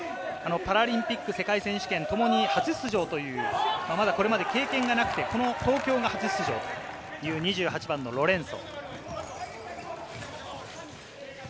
パラリンピック、世界選手権ともに初出場という、これまで経験がなくて、この東京が初出場という２８番のロレンソ。